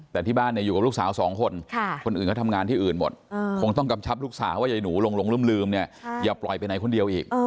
แต่ที่บ้านอยู่กับลูกสาวสองคนคนอื่นเขาทำงานที่อื่นหมดคงต้องกำชับลูกสาวว่ายายหนูหลงลืมเนี่ยอย่าปล่อยไปไหนคนเดียวอีก